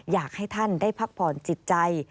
อยากให้ท่านได้พักผ่อนจิตใจ